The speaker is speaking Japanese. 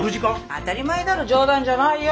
当たり前だろ冗談じゃないよ。